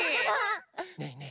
ねえねえ